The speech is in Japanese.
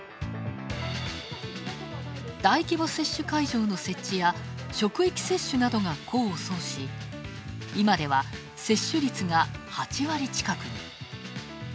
大規模接種会場の設置や職域接種などが功を奏し今では接種率が８割近くに。